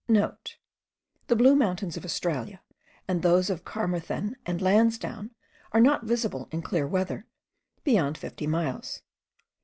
(* The Blue Mountains of Australia, and those of Carmarthen and Lansdowne, are not visible, in clear weather, beyond fifty miles.